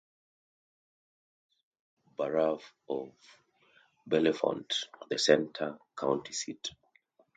The township surrounds the separate borough of Bellefonte, the Centre County seat.